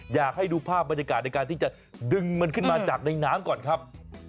อยากให้ดูภาพบรรยากาศในการที่จะดึงมันขึ้นมาจากในน้ำก่อนครับ